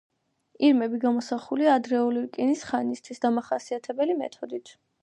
ირმები გამოსახულია ადრეული რკინის ხანისათვის დამახასიათებელი მეთოდით.